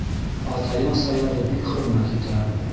Атайың Саярҙы бик хөрмәт итә.